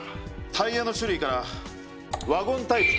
タイヤの種類からワゴンタイプと思われます。